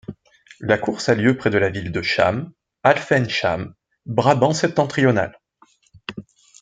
La course a lieu près de la ville de Chaam, Alphen-Chaam, Brabant-Septentrional.